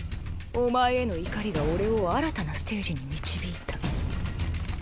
お前への怒りが俺を新たなステージに導いた。